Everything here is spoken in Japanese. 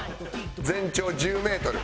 全長１０メートル。